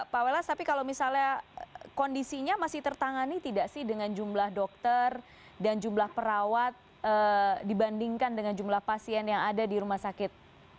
pak welas tapi kalau misalnya kondisinya masih tertangani tidak sih dengan jumlah dokter dan jumlah perawat dibandingkan dengan jumlah pasien yang ada di rumah sakit